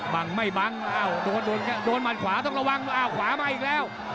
บังไม่บังอ้าวโดนหมัดขวาต้องระวังอ้าวขวามาอีกแล้ว